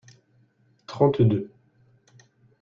Trente-deux.